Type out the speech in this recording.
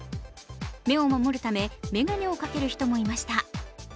目を守るため、眼鏡をかける人もいました。